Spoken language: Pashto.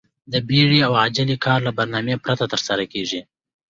د بيړې او عجلې کار له برنامې پرته ترسره کېږي.